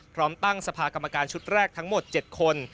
พร้อมตั้งสภากรรมการชุดแรกทั้งหมด๗คน